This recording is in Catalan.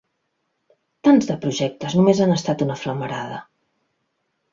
Tants de projectes només han estat una flamarada.